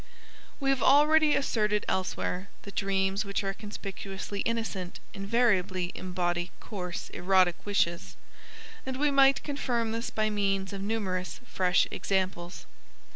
We have already asserted elsewhere that dreams which are conspicuously innocent invariably embody coarse erotic wishes, and we might confirm this by means of numerous fresh examples.